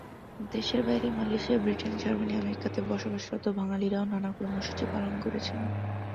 দেশের বাইরে Malaysia, Britain, Germany, আমেরিকাতে বসবাসরত বাঙালিরাও নানা কর্মসূচি পালন করেছেন।